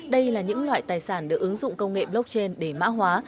đây là những loại tài sản được ứng dụng công nghệ blockchain để mã hóa